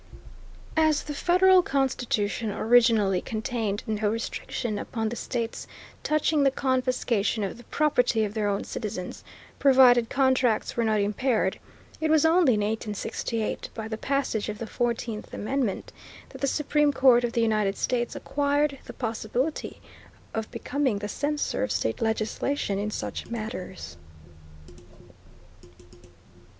As the federal Constitution originally contained no restriction upon the states touching the confiscation of the property of their own citizens, provided contracts were not impaired, it was only in 1868, by the passage of the Fourteenth Amendment, that the Supreme Court of the United States acquired the possibility of becoming the censor of state legislation in such matters.